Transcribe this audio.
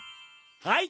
はい！